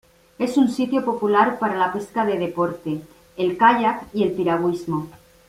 Es un sitio popular para la pesca de deporte, el kayak y el piragüismo.